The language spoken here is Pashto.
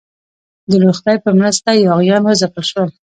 د لوی خدای په مرسته یاغیان وځپل شول.